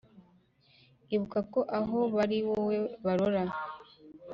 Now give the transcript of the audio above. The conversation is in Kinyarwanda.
Ibuka ko aho bari ari wowe barora